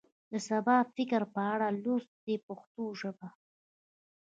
د سبا فکر په اړه لوست دی په پښتو ژبه.